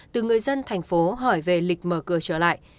từ người dân thành phố hỏi về lịch mở cửa trở lại